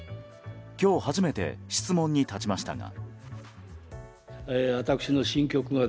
今日初めて質問に立ちましたが。